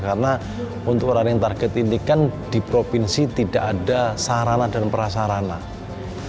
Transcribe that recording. karena untuk running target ini kan di provinsi tidak ada sarang